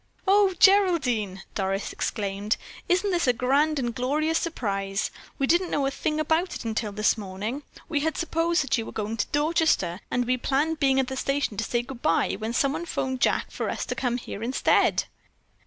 "Oh, Geraldine," Doris exclaimed, "isn't this a grand and glorious surprise. We didn't know a thing about it until this morning. We had supposed that you were going to Dorchester, and we planned being at the station to say good bye when someone phoned Jack for us to come here instead."